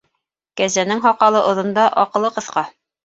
Кәзәнең һаҡалы оҙон да, аҡылы ҡыҫҡа.